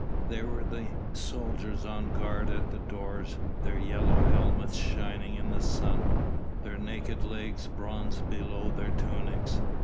There were the soldiers on guard at the doors, their yellow helmets shining in the sun, their naked legs bronzed below their tunics.